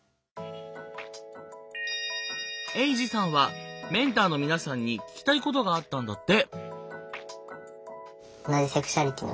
エイジさんはメンターの皆さんに聞きたいことがあったんだって。